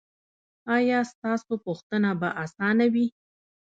ایا ستاسو پوښتنه به اسانه وي؟